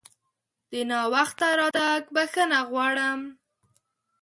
د ناوخته راتګ بښنه غواړم!